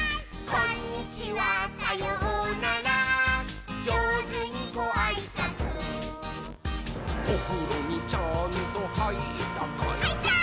「こんにちはさようならじょうずにごあいさつ」「おふろにちゃんとはいったかい？」はいったー！